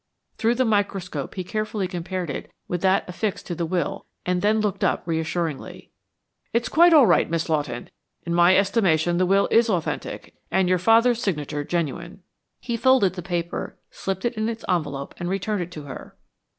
Through the microscope he carefully compared it with that affixed to the will and then looked up reassuringly. "It is quite all right, Miss Lawton. In my estimation the will is authentic and your father's signature genuine." He folded the paper, slipped it in its envelope and returned it to her.